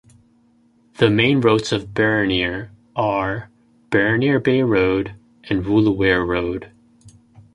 The main roads of Burraneer are Burraneer Bay Road and Woolooware road.